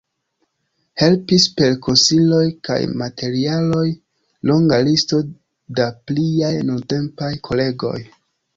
Helpis per konsiloj kaj materialoj longa listo da pliaj nuntempaj kolegoj.